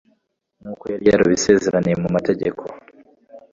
nk'uko yari yarabisezeraniye mu mategeko